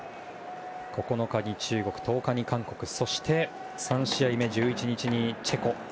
９日に中国、１０日に韓国そして、３試合目１１日にチェコ。